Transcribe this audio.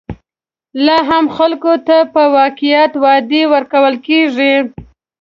لا هم خلکو ته په قاطعیت وعدې ورکول کېږي.